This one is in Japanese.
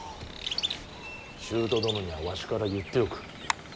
舅殿にはわしから言っておく。